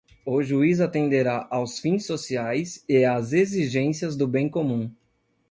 o juiz atenderá aos fins sociais e às exigências do bem comum